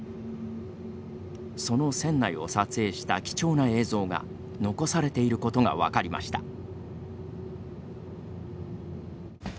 その船内を撮影した貴重な映像が残されていることが分かりました。